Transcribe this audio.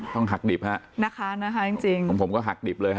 ต้องหักดิบฮะนะคะนะคะจริงผมก็หักดิบเลยฮะ